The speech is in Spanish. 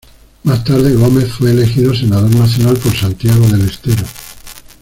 Más tarde Gómez fue elegido Senador Nacional por Santiago del Estero.